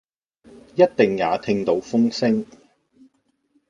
一定也聽到風聲，